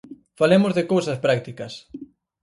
Falemos de cousas prácticas.